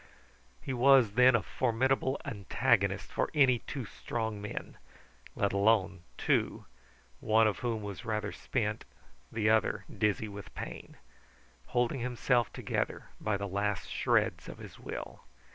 He was, then, a formidable antagonist for any two strong men; let alone two one of whom was rather spent, the other dizzy with pain, holding himself together by the last shreds of his will.